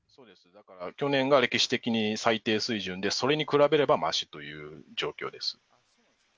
去年が歴史的に最低水準で、それに比べればましという状況です。